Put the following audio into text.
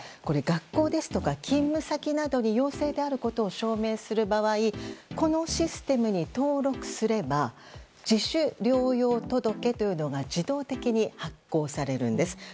学校ですとか勤務先などに陽性であることを証明する場合このシステムに登録すれば自主療養届というのが自動的に発行されるんです。